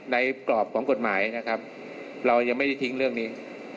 กรอบของกฎหมายนะครับเรายังไม่ได้ทิ้งเรื่องนี้